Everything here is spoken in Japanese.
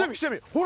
ほら。